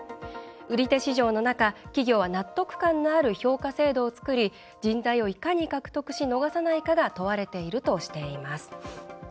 売手市場の中企業は納得感のある評価制度を作り人材をいかに獲得し逃さないかが問われているとしています。